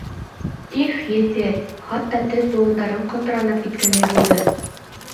Их, еҫе, хатта теҙ-быуындарым ҡалтыранып киткәндәй булды.